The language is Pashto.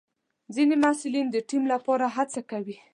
ځینې محصلین د ټیم لپاره هڅه کوي.